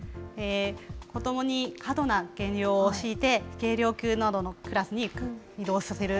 子どもに過度な減量を強いて、軽量級などのクラスに移動させる。